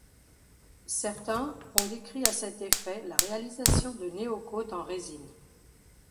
Certains ont décrit à cet effet la réalisation de néo-côtes en résine.